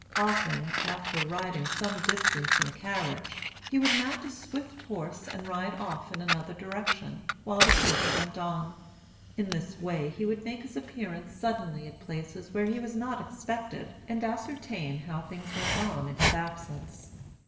Often, after riding some distance in a carriage, he would mount a swift horse and ride off in another direction, while the coach went on. In this way, he would make his appearance suddenly at places where he was not expected, and ascertain how things went on in his absence.